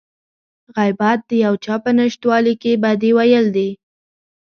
غيبت د يو چا په نشتوالي کې بدي ويل دي.